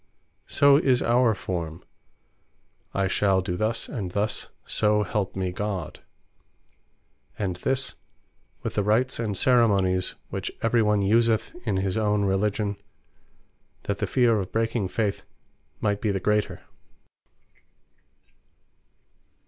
So is our Forme, "I shall do thus, and thus, so help me God." And this, with the Rites and Ceremonies, which every one useth in his own Religion, that the feare of breaking faith might be the greater.